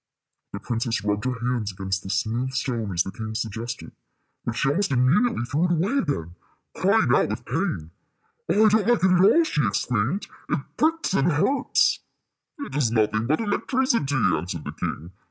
The princess rubbed her hands against the smooth stone as the king suggested; but she almost immediately threw it away again, crying out with pain. "Oh, I don't like it at all," she exclaimed. "It pricks and hurts." "It is nothing but the electricity," answered the king.